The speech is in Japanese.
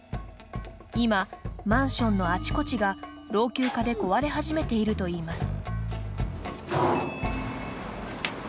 今、マンションのあちこちが老朽化で壊れ始めているといいます。